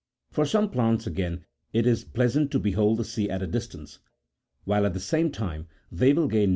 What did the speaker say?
For some plants, again, it is pleasant to behold the sea at a distance, while at the same time they 26 See B.